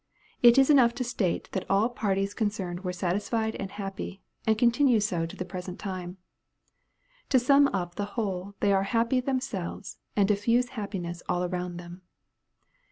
It is enough to state that all parties concerned were satisfied and happy, and continue so to the present time. To sum up the whole they are happy themselves, and diffuse happiness all around them.